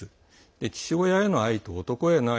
父親への愛と男への愛。